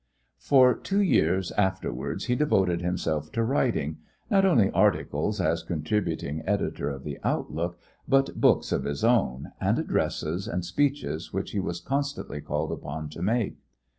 For two years afterwards he devoted himself to writing, not only articles as contributing editor of the Outlook, but books of his own, and addresses and speeches which he was constantly called upon to make.